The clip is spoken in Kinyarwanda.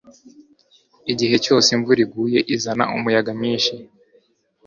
igihe cyose imvura iguye izana umuyaga mwinshi